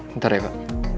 bentar ya pak